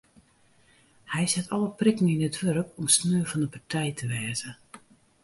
Hy set alle prikken yn it wurk om sneon fan de partij te wêze.